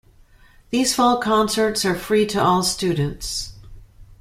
These fall concerts are free to all students.